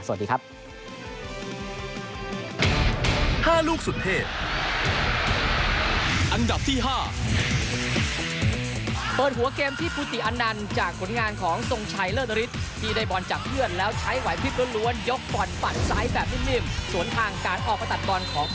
สวัสดีครับ